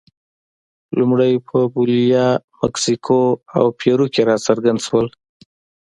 لومړی په بولیویا، مکسیکو او پیرو کې راڅرګند شول.